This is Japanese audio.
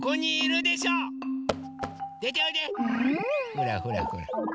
ほらほらほら。